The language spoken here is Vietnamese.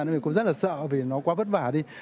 nên cô ấy rất là sợ vì nó quá vất vả đi